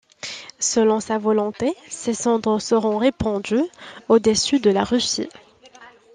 Selon sa volonté, ses cendres seront répandues au-dessus de la Russie.